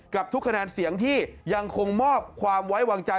กับทุกคะแนนเสียงที่ยังคงมอบความไว้วางใจ